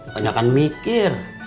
banyak yang mikir